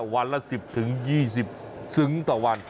วันละ๑๐๒๐ซึ้งต่อวัน